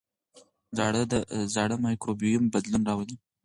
زاړه مایکروبیوم بدلون راولي.